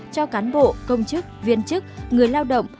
cho cán bộ công chức viên chức người lao động